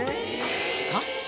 しかし。